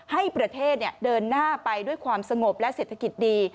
ให้ประเทศเดินหน้าไปด้วยความสงบและเศรษฐกิจดี